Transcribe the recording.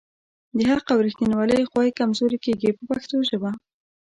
د حق او ریښتیولۍ خوا یې کمزورې کیږي په پښتو ژبه.